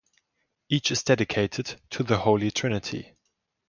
Each is dedicated to the Holy Trinity.